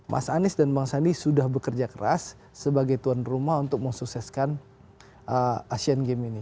mas anies dan bang sandi sudah bekerja keras sebagai tuan rumah untuk mensukseskan asian games ini